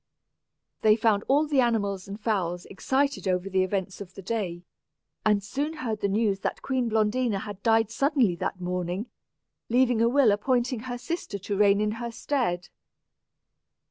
They found all the animals and fowls excited over the events of the day, and soon heard the news that Queen Blondina had died suddenly that morning, leaving a will appointing her sister to reign in her stead.